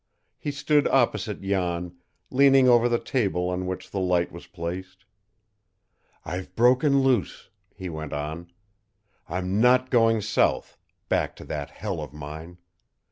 He stood opposite Jan, leaning over the table on which the light was placed. "I've broken loose," he went on. "I'm not going south back to that hell of mine.